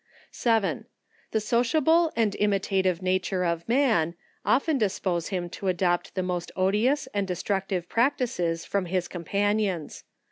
7. The sociable and imitative nature of man often dis poses him to a<'opt the most olious and destructive prac tices froui his companions.